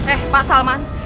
eh pak salman